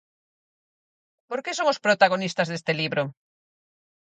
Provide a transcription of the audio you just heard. Por que son os protagonistas deste libro?